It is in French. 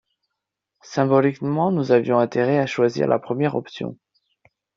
Symboliquement, nous avions intérêt à choisir la première option.